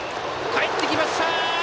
かえってきました！